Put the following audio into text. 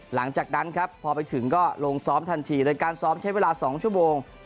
หลังจากนั้นครับพอไปถึงก็ลงซ้อมทันทีโดยการซ้อมใช้เวลา๒ชั่วโมง